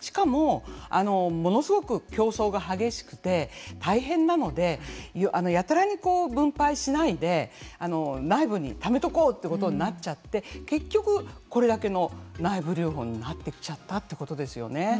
しかもものすごく競争が激しくて大変なのでやたらに分配しないで内部にためとこうってなっちゃって結局これだけの内部留保になってきっちゃったということですよね。